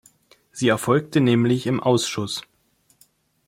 Sie erfolgte nämlich im Ausschuss.